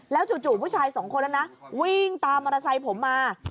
แล้วจู่ผู้ชายสองคนนะวิ่งตามมอเตอร์ไซส์ผมมา